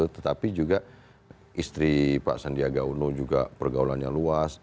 tetapi juga istri pak sandiaga uno juga pergaulannya luas